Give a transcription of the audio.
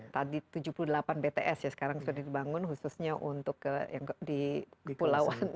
tadi tujuh puluh delapan bts ya sekarang sudah dibangun khususnya untuk yang di pulau